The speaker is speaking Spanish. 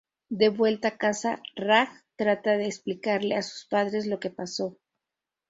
De vuelta a casa, Raj trata de explicarle a sus padres lo que pasó.